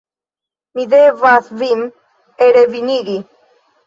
Mi devas vin elrevigi.